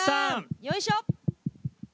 よいしょ！